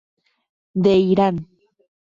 De Irán.